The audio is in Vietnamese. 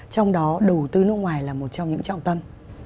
trong đó đầu tư nước ngoài là một trong những trọng tâm